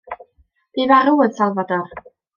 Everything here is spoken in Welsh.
Bu farw yn Salvador.